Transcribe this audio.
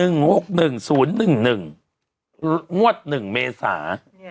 ๑๖๑๐๑๑งวด๑เมษา